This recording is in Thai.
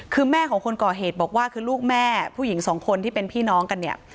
คือแม่ของคนก่อเหตุบอกว่าคือลูกแม่ผู้หญิงสองคนที่เป็นพี่น้องกันเนี่ย